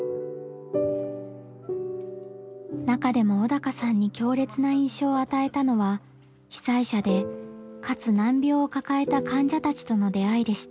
中でも小鷹さんに強烈な印象を与えたのは被災者でかつ難病を抱えた患者たちとの出会いでした。